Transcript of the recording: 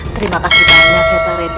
terima kasih banyak ya pak randy